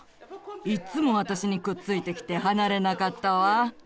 いっつも私にくっついてきて離れなかったわ。